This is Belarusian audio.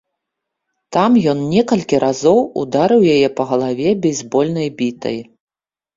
Там ён некалькі разоў ударыў яе па галаве бейсбольнай бітай.